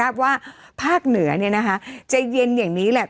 ภาคเหนือเนี่ยนะคะใจเย็นอย่างนี้แหละ